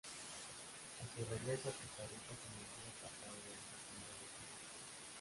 A su regreso a Costa Rica se mantuvo apartado de las actividades políticas.